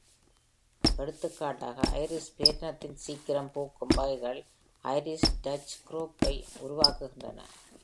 எடுத்துக்காட்டாக, "Iris" பேரினத்தின் சீக்கிரம் பூக்கும் வகைகள், "Iris" Dutch Group"ஐ உருவாக்குகின்றன.